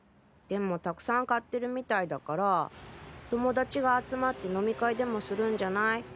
でもたくさん買ってるみたいだから友達が集まって飲み会でもするんじゃない？